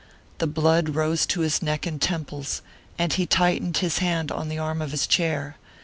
The blood rose to his neck and temples, and he tightened his hand on the arm of his chair.